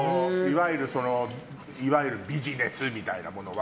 いわゆるビジネスみたいなものは。